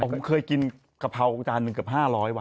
ผมเคยกินกะเพราจานหนึ่งเกือบ๕๐๐ว่